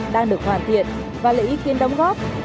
đang được hoàn thiện và lấy ý kiến đóng góp